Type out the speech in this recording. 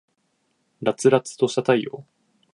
燦燦とした太陽